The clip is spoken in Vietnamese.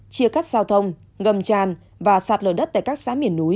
chia cắt giao thông ngầm tràn và sạt lở đất tại các xã miền núi